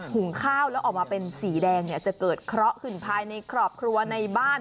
หุงข้าวแล้วออกมาเป็นสีแดงเนี่ยจะเกิดเคราะห์ขึ้นภายในครอบครัวในบ้าน